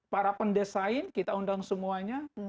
para pendesain kita undang semuanya